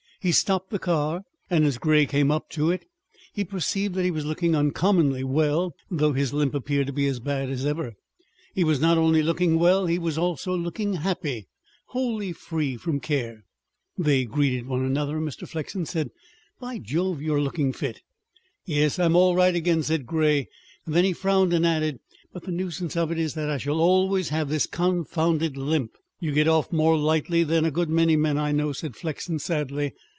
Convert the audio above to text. He stopped the car, and as Grey came up to it he perceived that he was looking uncommonly well, though his limp appeared to be as bad as ever. He was not only looking well, he was also looking happy, wholly free from care. They greeted one another and Mr. Flexen said: "By Jove! you are looking fit!" "Yes, I'm all right again," said Grey. Then he frowned and added: "But the nuisance of it is that I shall always have this confounded limp." "You get off more lightly than a good many men I know," said Flexen sadly.